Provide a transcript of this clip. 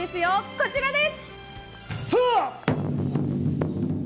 こちらです！